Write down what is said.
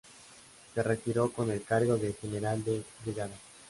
Se retiró con el cargo de General de Brigada.